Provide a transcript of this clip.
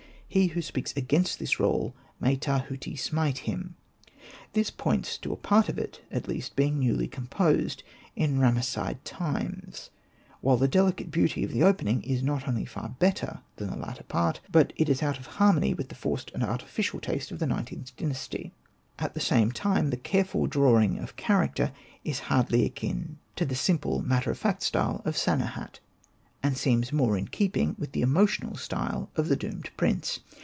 He who speaks against this roll, may Tahuti smite him." This points to a part of it at least being newly composed in Ramesside times ; while the delicate beauty of the opening is not only far better than the latter part, but is out of harmony with the forced and artificial taste of the XlXth Dynasty. At the same time, the careful drawing of character is hardly akin to the simple, matter Hosted by Google 68 ANPU AND BATA of fact style of Sanehat, and seems more in keeping with the emotional style of the Doomed Prince.